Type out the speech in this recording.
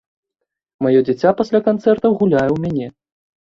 Маё дзіця пасля канцэртаў гуляе ў мяне.